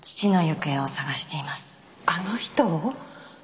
あの人を？